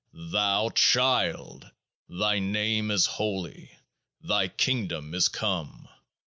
Thou— Child ! Thy Name is holy. Thy Kingdom is come.